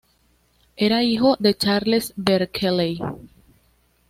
Era hijo de Charles Berkeley.